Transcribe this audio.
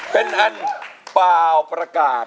เป็นอันเปล่าประกาศ